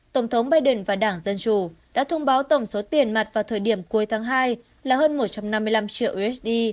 tổng thống biden và đảng dân chủ đã thông báo tổng số tiền mặt vào thời điểm cuối tháng hai là hơn một trăm năm mươi năm triệu usd